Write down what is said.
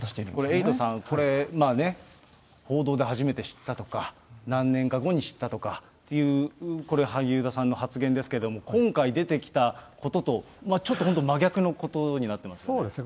エイトさん、これ、報道で初めて知ったとか、何年か後に知ったとか、これ、萩生田さんの発言ですけれども、今回出てきたことと、ちょっと真逆なことになってますね。